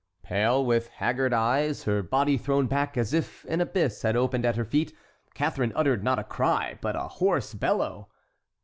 Pale, with haggard eyes, her body thrown back as if an abyss had opened at her feet, Catharine uttered not a cry, but a hoarse bellow.